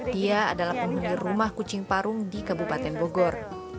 dia adalah penghuni rumah kucing parung di kabupaten bogor